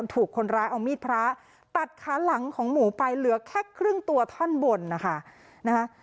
ถูกคนร้ายเอามีดพระตัดขาหลังของหมูไปเหลือแค่ครึ่งตัวท่อนบนนะคะ